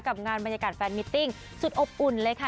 งานบรรยากาศแฟนมิตติ้งสุดอบอุ่นเลยค่ะ